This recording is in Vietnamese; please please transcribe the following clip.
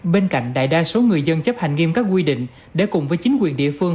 bên cạnh đại đa số người dân chấp hành nghiêm các quy định để cùng với chính quyền địa phương